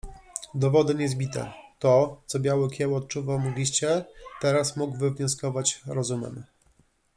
Dowody niezbite. To, co Biały Kieł odczuwał mgliście teraz mógł wywnioskować rozumem.